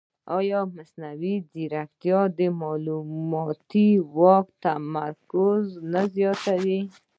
ایا مصنوعي ځیرکتیا د معلوماتي واک تمرکز نه زیاتوي؟